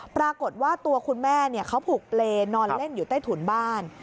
ปรากฏว่าตัวคุณแม่เขาผูกเปรย์นอนเล่นอยู่ใต้ถุนบ้าน